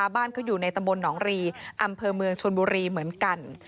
บ้านเขาอยู่ในตำบลหนองรีอำเภอเมืองชนบุรีเหมือนกัน